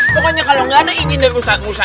pokoknya kalau nggak ada izin dari ustadz musa